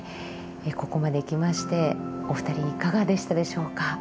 ここまできましてお二人いかがでしたでしょうか。